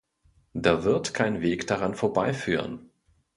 Da wird kein Weg daran vorbeiführen.